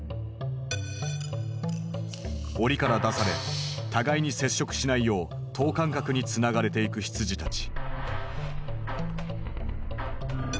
おりから出され互いに接触しないよう等間隔につながれていく羊たち。